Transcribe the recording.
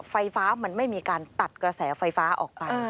ไฟฟ้ามันไม่มีการตัดกระแสไฟฟ้าออกไป